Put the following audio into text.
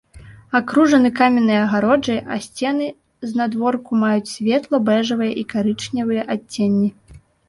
Акружаны каменнай агароджай, а сцены знадворку маюць светла-бэжавыя і карычневыя адценні.